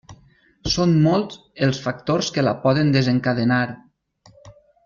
Són molts els factors que la poden desencadenar.